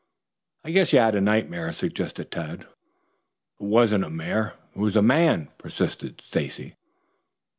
"I guess you had a nightmare," suggested Tad. "It wasn't a mare, it was a man," persisted Stacy.